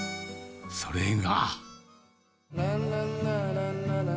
それが。